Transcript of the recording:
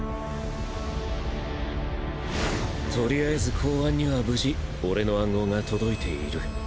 とりあえず公安には無事俺の暗号が届いている。